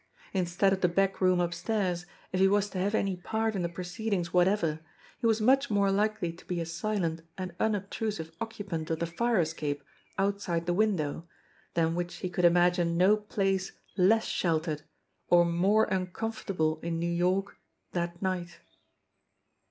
Instead of the back room up stairs, if he was to have anv part in the proceedings what ever, he was much more likely to be a silent and unobtrusive occupant of the fire escape outside the window, than which he could imagine no place less sheltered or more uncom fortable in New York that night